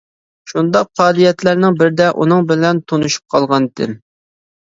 شۇنداق پائالىيەتلەرنىڭ بىرىدە ئۇنىڭ بىلەن تونۇشۇپ قالغانىدىم.